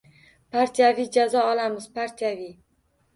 Partiyaviy jazo olamiz, partiyaviy!